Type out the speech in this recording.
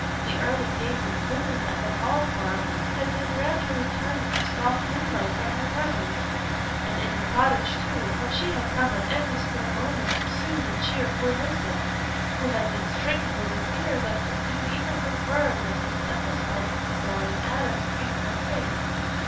The early days of gloom at the Hall Farm had been gradually turned into soft moonlight by her presence; and in the cottage, too, for she had come at every spare moment to soothe and cheer poor Lisbeth, who had been stricken with a fear that subdued even her querulousness at the sight of her darling Adam's grief worn face.